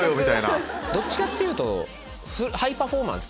どっちかって言うとハイパフォーマンス。